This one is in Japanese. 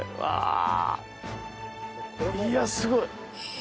いや、すごい！